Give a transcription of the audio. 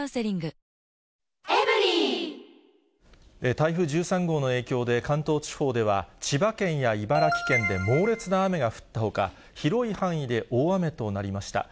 台風１３号の影響で、関東地方では、千葉県や茨城県で猛烈な雨が降ったほか、広い範囲で大雨となりました。